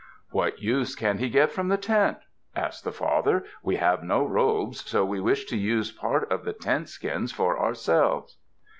"What use can he get from the tent?" asked the father. "We have no robes, so we wish to use part of the tent skins for ourselves."